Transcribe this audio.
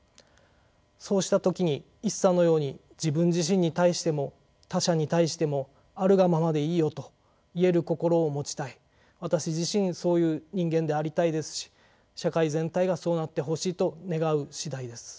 そうした時に一茶のように自分自身に対しても他者に対してもあるがままでいいよと言える心を持ちたい私自身そういう人間でありたいですし社会全体がそうなってほしいと願う次第です。